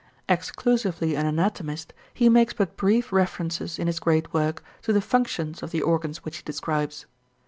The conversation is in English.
Exclusively an anatomist, he makes but brief references in his great work to the functions of the organs which he describes.